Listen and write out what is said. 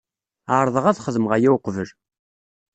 Ɛerḍeɣ ad xedmeɣ aya uqbel.